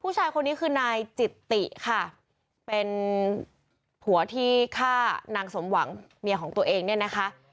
ผู้ชายคนนี้คือนายจิตติค่ะเป็นผัวที่ฆ่านางสมหวังเมียของตัวเองเนี่ยนะคะ